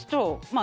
あ。